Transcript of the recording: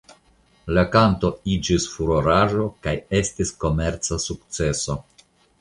La kanto iĝis furoraĵo kaj estis komerca sukceso.